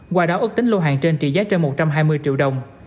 qua đó ước tính lô hàng trên trị giá trên một trăm hai mươi triệu đồng